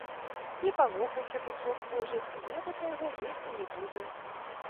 Не палохайся, бычок божы, хлеба твайго есці не будзем.